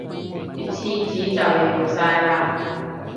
啲廁紙就黎用晒喇